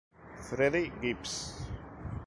Freddie Gibbs